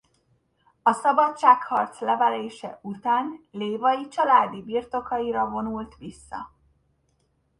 A szabadságharc leverése után lévai családi birtokaira vonult vissza.